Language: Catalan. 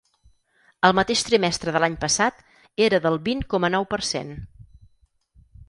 El mateix trimestre de l’any passat, era del vint coma nou per cent.